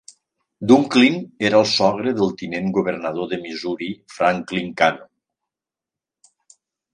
Dunklin era el sogre del tinent governador de Missouri, Franklin Cannon.